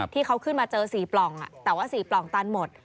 ที่เขาขึ้นมาเจอ๔ปล่องแต่ว่า๔ปล่องตันหมด